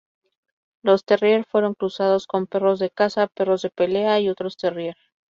Los terrier fueron cruzados con perros de caza, perros de pelea, y otros terrier.